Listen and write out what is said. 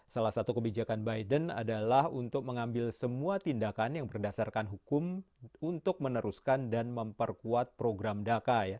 salah satu kebijakan biden adalah untuk mengambil semua tindakan yang berdasarkan hukum untuk meneruskan dan memperkuat program daka